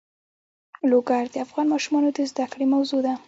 لوگر د افغان ماشومانو د زده کړې موضوع ده.